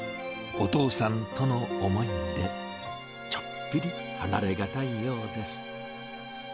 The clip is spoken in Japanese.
お父さんとの思い出、ちょっぴり離れ難いようです。